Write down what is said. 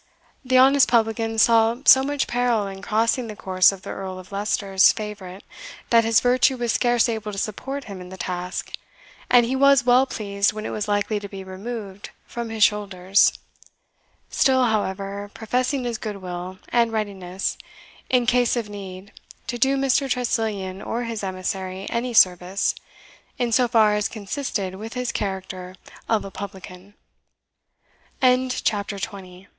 The honest publican saw so much peril in crossing the course of the Earl of Leicester's favourite that his virtue was scarce able to support him in the task, and he was well pleased when it was likely to be removed from his shoulders still, however, professing his good will, and readiness, in case of need, to do Mr. Tressilian or his emissary any service, in so far as consisted with his character of a publican. CHAPTER XXI. Vaulting ambi